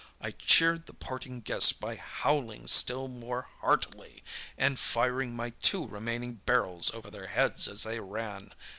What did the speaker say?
I cheered the parting guests by howling still more heartily, and firing my two remaining barrels over their heads as they ran.